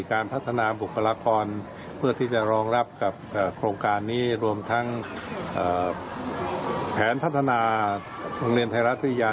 การพัฒนาบุคลากรเพื่อที่จะรองรับกับโครงการนี้รวมทั้งแผนพัฒนาโรงเรียนไทยรัฐวิทยา